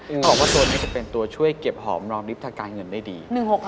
เขาบอกว่าตัวนี้จะเป็นตัวช่วยเก็บหอมรอมริบทางการเงินได้ดี